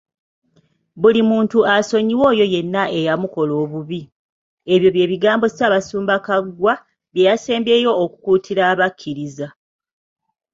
"Buli muntu asonyiwe oyo yenna eyamukola obubi", byebyo ebigambo Omusumba Kaggwa byeyasembye okukuutira abakkiriza.